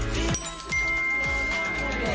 สุดท้ายสุดท้าย